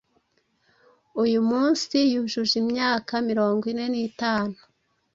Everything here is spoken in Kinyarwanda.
uyu munsi yujuje imyaka mirongo ine nitanu